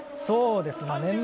そうですね。